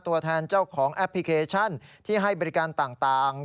ตัวแทนเจ้าของแอปพลิเคชันที่ให้บริการต่าง